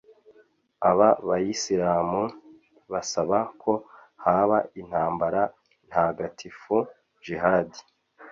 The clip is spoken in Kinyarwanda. Aba bayisilamu basaba ko haba intambara ntagatifu «jihad »